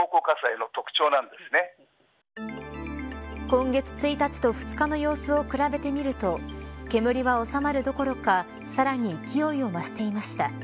今月１日と２日の様子を比べてみると煙は収まるどころかさらに勢いを増していました。